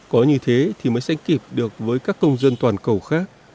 có như thế thì mới sánh kịp được với các công dân toàn cầu khác